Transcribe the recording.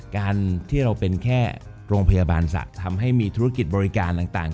การที่เราเป็นแค่โรงพยาบาลสระทำให้มีธุรกิจบริการต่าง